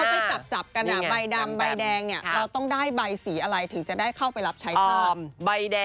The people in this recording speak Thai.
รอดใช่ไหมใบแดงเข้าไปเล่าชายชาติใช่ไหมล่ะ